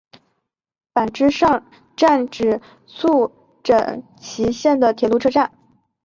坂之上站指宿枕崎线的铁路车站。